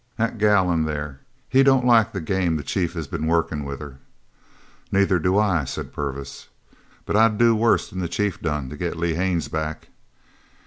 "The gal in there. He don't like the game the chief has been workin' with her." "Neither do I," said Purvis, "but I'd do worse than the chief done to get Lee Haines back."